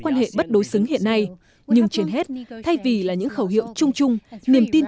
quan hệ bất đối xứng hiện nay nhưng trên hết thay vì là những khẩu hiệu chung chung niềm tin